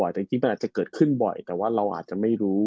แต่จริงมันอาจจะเกิดขึ้นบ่อยแต่ว่าเราอาจจะไม่รู้